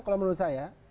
kalau menurut saya